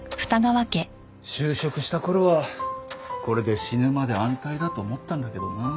就職した頃はこれで死ぬまで安泰だと思ったんだけどなあ。